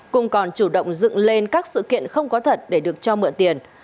cùng còn chủ động dựng lên các sự kiện không có thật để được cho mượn tiền